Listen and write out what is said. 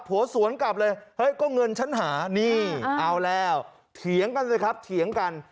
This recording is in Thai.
สวนกลับเลยเฮ้ยก็เงินฉันหานี่เอาแล้วเถียงกันสิครับเถียงกัน